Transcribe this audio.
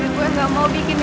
ini udah hamil jati